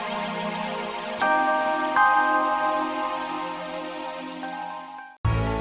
kamu lakukan hal itu ya kan